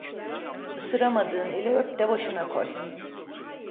Isıramadığın eli öp de başına koy.